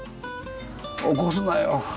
起こすなよ。